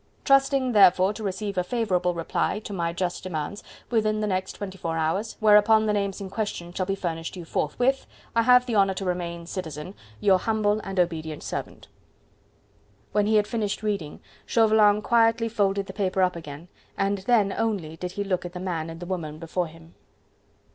Trusting therefore to receive a favourable reply to my just demands within the next twenty four hours, whereupon the names in question shall be furnished you forthwith, I have the honour to remain, Citizen, Your humble and obedient servant, When he had finished reading, Chauvelin quietly folded the paper up again, and then only did he look at the man and the woman before him.